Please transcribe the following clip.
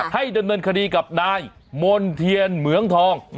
ให้ดำเนินคดีกับนายมณ์เทียนเหมืองทอง